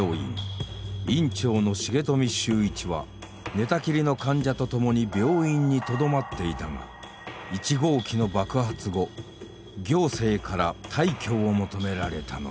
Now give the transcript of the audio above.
寝たきりの患者と共に病院にとどまっていたが１号機の爆発後行政から退去を求められたのだ。